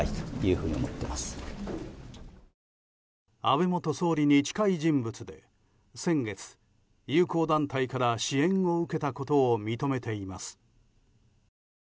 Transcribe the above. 安倍元総理に近い人物で、先月友好団体から支援を受けたことを認めています。